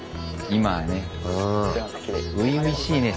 今はね。